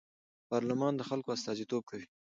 پارلمان د خلکو استازیتوب کوي